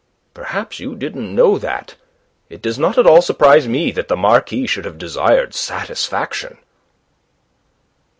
Perhaps you didn't know that. It does not at all surprise me that the Marquis should have desired satisfaction."